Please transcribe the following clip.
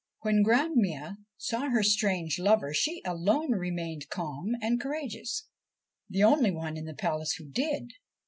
When Grannmia saw her strange lover, she alone remained calm and courageous the only one in the palace who did.